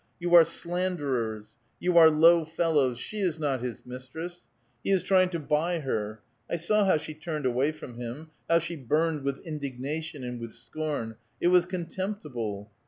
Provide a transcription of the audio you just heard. "You are slanderers. You are low fellows. She is not his mistress. He is trying to buy her. I saw how she turned away from him ; how she burned with indignation and with scorn. It was contemptible."